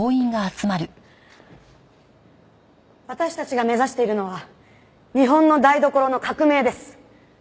私たちが目指しているのは日本の台所の革命です。